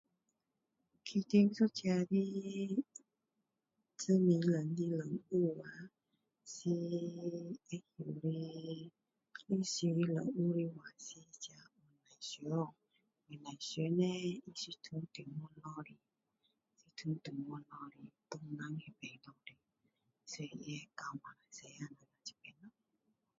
其中一个的知名人 [unintelligible] 是黄乃祥黄乃祥叻是从中国下来的从中国下来所以到马来西亚这边